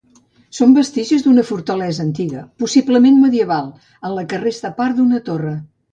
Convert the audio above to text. Són vestigis d'una fortalesa antiga, possiblement medieval, en la que resta part d'una torre.